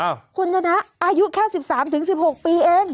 คุณชนะอายุแค่๑๓๑๖ปีเอง